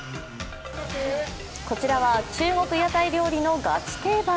こちらは中国屋台料理のガチ定番。